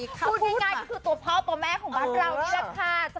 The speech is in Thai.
พูดง่ายก็คือตัวพ่อตัวแม่ของบ้านเรานี่แหละค่ะ